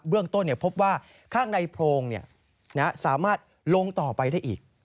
เรื่องต้นพบว่าข้างในโพรงสามารถลงต่อไปได้อีก